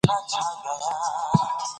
افغانستان په زغال غني دی.